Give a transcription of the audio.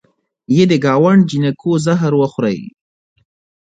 یه د ګاونډ جینکو زهر وخورئ